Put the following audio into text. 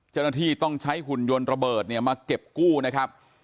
เจ้าหน้าที่ต้องใช้หุ่นยนต์ระเบิดเนี่ยมาเก็บกู้นะครับ